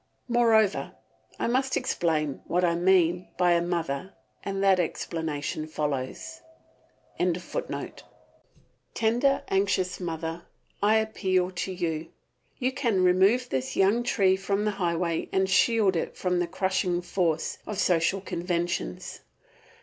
Moreover, I must explain what I mean by a mother and that explanation follows.] I appeal to you. You can remove this young tree from the highway and shield it from the crushing force of social conventions.